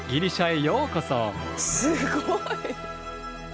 すごい。